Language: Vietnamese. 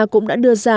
cũng đã đưa ra